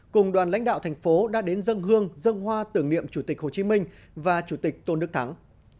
cùng đoàn lãnh đạo thành phố đã đến dân hương dân hoa tưởng niệm chủ tịch hồ chí minh và chủ tịch tôn đức thắng